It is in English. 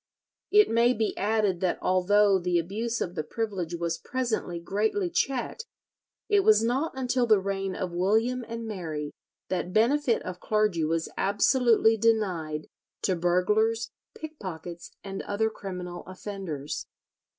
It may be added that although the abuse of the privilege was presently greatly checked, it was not until the reign of William and Mary that benefit of clergy was absolutely denied to burglars, pickpockets, and other criminal offenders.